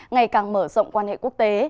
ngày càng mở rộng quan hệ quốc tế